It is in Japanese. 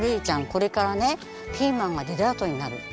これからねピーマンがデザートになるっていう。